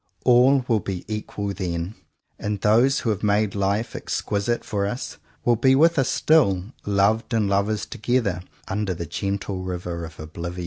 All will be equal then: and those who have made life ex quisite for us will be with us still, loved and lovers together, under the gentle river of oblivion.